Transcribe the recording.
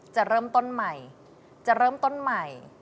จะเริ่มต้นใหม่